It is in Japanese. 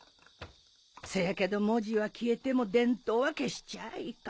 せやけど文字は消えても伝統は消しちゃあいかん。